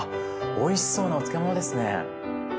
おいしそうなお漬物ですね。